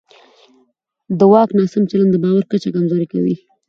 د واک ناسم چلند د باور کچه کمزوری کوي